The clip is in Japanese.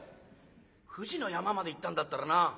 富士の山まで行ったんだったらな